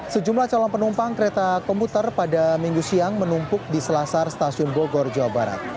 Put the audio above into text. sejumlah calon penumpang kereta komuter pada minggu siang menumpuk di selasar stasiun bogor jawa barat